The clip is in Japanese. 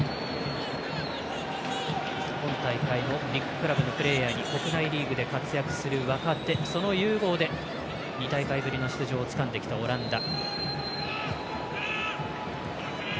今大会もビッグクラブのプレーヤーに国内リーグで活躍する若手２大会ぶりの出場をつかんできたオランダ。